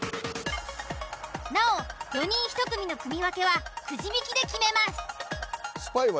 なお４人１組の組分けはくじ引きで決めます。